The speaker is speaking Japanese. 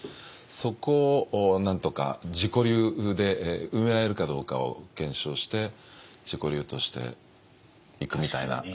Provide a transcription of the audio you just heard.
そこをなんとか自己流で埋められるかどうかを検証して自己流としていくみたいな考え方ですかね。